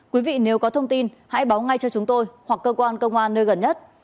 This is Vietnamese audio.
quý vị nếu có thông tin hãy báo ngay cho chúng tôi hoặc cơ quan công an nơi gần nhất